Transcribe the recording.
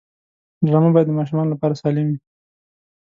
ډرامه باید د ماشومانو لپاره سالم وي